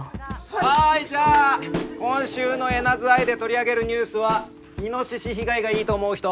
はいじゃあ今週のエナズアイで取り上げるニュースはいのしし被害がいいと思う人。